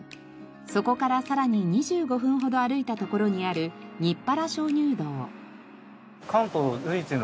そこからさらに２５分ほど歩いた所にある日原鍾乳洞。